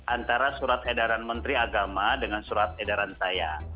antara surat edaran menteri agama dengan surat edaran saya